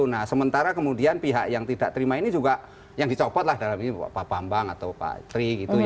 nah sementara kemudian pihak yang tidak terima ini juga yang dicopot lah dalam ini pak bambang atau pak tri gitu ya